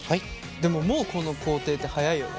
でももうこの工程って早いよね。